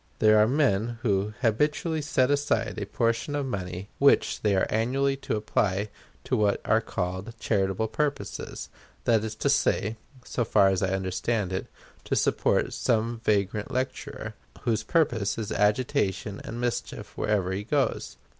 There are men who habitually set aside a portion of money which they are annually to apply to what are called "charitable purposes" that is to say, so far as I understand it, to support some vagrant lecturer, whose purpose is agitation and mischief wherever he goes.